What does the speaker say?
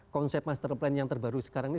konsep master plan yang terbaru sekarang ini